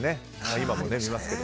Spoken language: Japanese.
今も見ますけど。